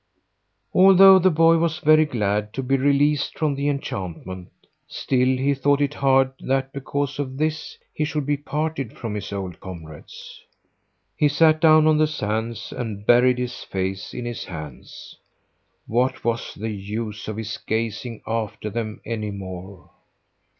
Although the boy was very glad to be released from the enchantment, still he thought it hard that because of this he should be parted from his old comrades. He sat down on the sands and buried his face in his hands. What was the use of his gazing after them any more?